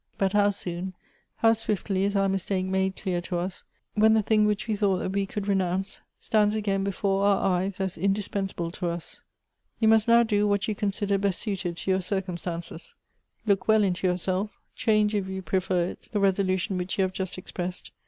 But how soon, how swiftly is our mistake made clear to us, when the thing which we thought that we could 'renounce, stands again before our eyes as indispensable to us ! You must now do what you consider best suited to your circumstances. Look well into yourself; change, if you prefer it, the resolution which you have just expressed.